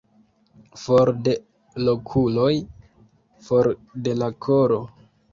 For de l' okuloj, for de la koro.